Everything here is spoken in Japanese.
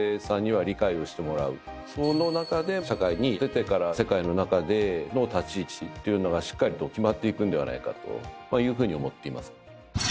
その中で社会に出てから世界の中での立ち位置っていうのがしっかりと決まっていくんではないかというふうに思っています。